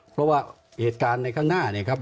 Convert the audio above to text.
เพราะว่าเหตุการณ์ในข้างหน้าเนี่ยครับ